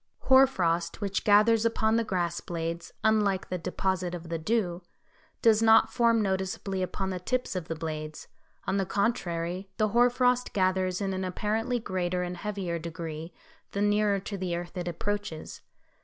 ] Hoar frost which gathers upon the grass blades, unlike the deposit of the dew, does not form noticeably upon the tips of the blades; on the contrary, the hoar frost gathers in an apparently greater and heavier degree the nearer to the earth it approaches.